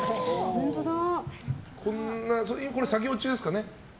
これ作業中ですかね。